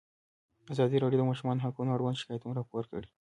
ازادي راډیو د د ماشومانو حقونه اړوند شکایتونه راپور کړي.